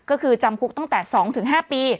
ก็คือจำคุกตั้งแต่๒๕ปี